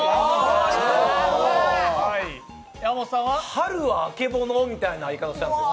春はあけぼのみたいな言い方したんですよ。